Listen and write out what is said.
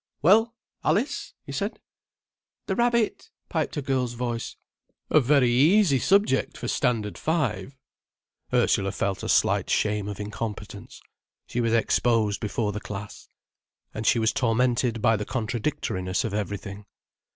"Well, Alice?" he said. "The rabbit," piped a girl's voice. "A very easy subject for Standard Five." Ursula felt a slight shame of incompetence. She was exposed before the class. And she was tormented by the contradictoriness of everything.